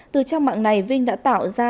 từ trang mạng này vinh đã tạo ra